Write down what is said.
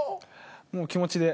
もう気持ちで。